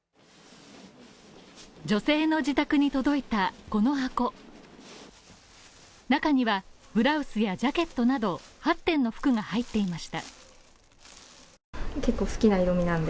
女性の自宅に届いたこの箱中にはブラウスやジャケットなど、８点の服が入っていました。